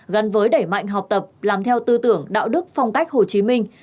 gắn với đẩy mạnh học tập làm theo tư tưởng đạo đức phong cách hồ chí minh